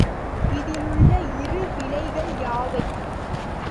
இதிலுள்ள இரு வில்லைகள் யாவை?